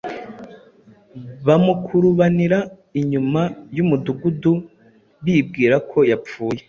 bamukurubanira inyuma y’umudugudu, bibwira ko yapfuye.”